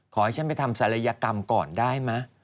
ขอให้ฉันไปทำศัลยกรรมก่อนได้ไหม